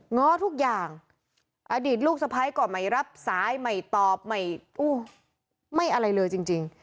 ง้อทุกอย่างอดีตลูกสะพ้ายก็ไม่รับสายไม่ตอบไม่อะไรเลยจริง